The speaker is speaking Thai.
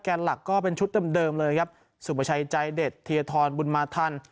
หลักก็เป็นชุดเดิมเลยครับสุประชัยใจเด็ดเทียทรบุญมาทัน